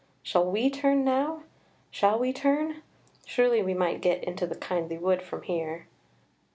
Shall we turn now: shall we turn? surely we might get into the kindly wood from here."